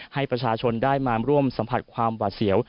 ให้ประชาชนได้มาร่วมสัมผัสความหวาดเสียว